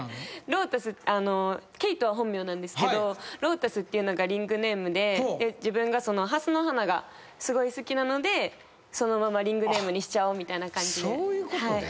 ロータスっていうのがリングネームで自分が蓮の花がすごい好きなのでそのままリングネームにしちゃおうみたいな感じで。